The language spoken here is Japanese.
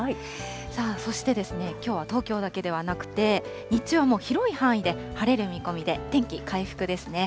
そして、きょうは東京だけではなくて、日中はもう広い範囲で晴れる見込みで、天気回復ですね。